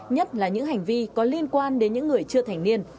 nhất là những hành vi có liên quan đến những người chưa thành niên